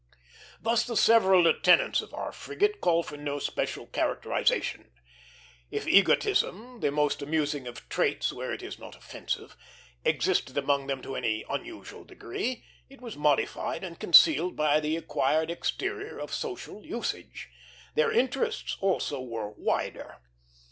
Thus the several lieutenants of our frigate call for no special characterization. If egotism, the most amusing of traits where it is not offensive, existed among them to any unusual degree, it was modified and concealed by the acquired exterior of social usage. Their interests also were wider.